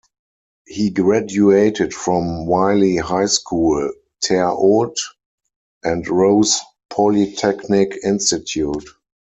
He graduated from Wiley High School, Terre Haute and Rose Polytechnic Institute.